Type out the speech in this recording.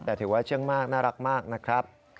แต่ถือว่าเชื่องมากน่ารักมากนะครับ